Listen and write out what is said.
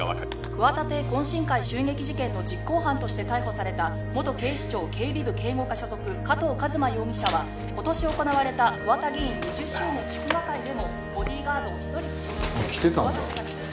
「桑田邸懇親会襲撃事件の実行犯として逮捕された元警視庁警備部警護課所属加藤一馬容疑者は今年行われた桑田議員２０周年祝賀会でもボディーガードを１人負傷させ」来てたんだ。